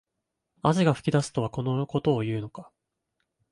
汗が噴き出すとはこのことを言うのか